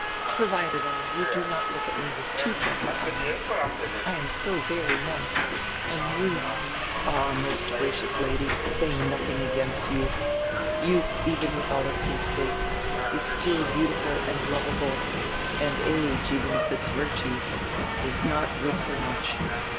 "Provided only you do not look at me widi too friendly eyes. I am so very young. And youth —" "All, most gracious Lady, say nothing against youth. Youdi, even widi all its mistakes, is still beautiful and lov able, and age, even widi its virtues, is not good for much.